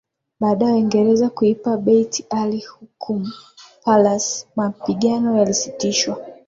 Baada ya Waingereza kuipiga Beit al Hukum Palace mapigano yalisitishwa